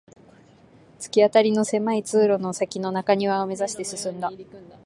突き当たりの狭い通路の先の中庭を目指して進んだ